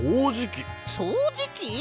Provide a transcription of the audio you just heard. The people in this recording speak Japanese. そうじき！？